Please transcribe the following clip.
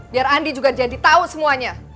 biar andi juga jadi tahu semuanya